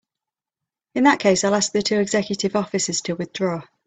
In that case I'll ask the two executive officers to withdraw.